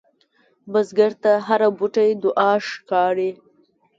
بزګر ته هره بوټۍ دعا ښکاري